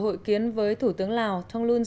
hội kiến với thủ tướng lào tonglun